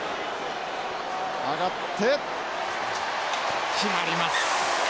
上がって決まります。